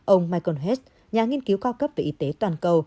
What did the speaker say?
ông michael hez nhà nghiên cứu cao cấp về y tế toàn cầu